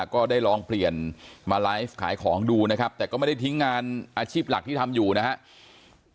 ของดูนะครับแต่ก็ไม่ได้ทิ้งงานอาชีพหลักที่ทำอยู่นะครับ